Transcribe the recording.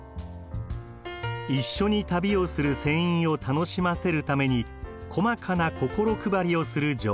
一緒に旅をする船員を楽しませるために細かな心配りをする女王。